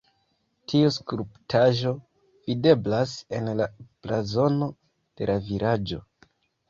Tiu skulptaĵo videblas en la blazono de la vilaĝo.